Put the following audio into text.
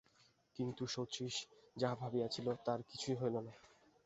কিন্তু শচীশ যাহা ভাবিয়াছিল তার কিছুই হইল না।